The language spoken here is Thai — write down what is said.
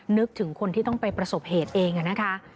นึกถึงคนที่ต้องไปประสบเหตุเองนะคะ